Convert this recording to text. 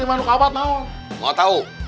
iman ruka abad noh mau tahu